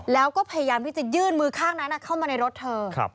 แล้วก็พยายามที่จะยื่นมือข้างนั้นเข้ามาในรถเธอ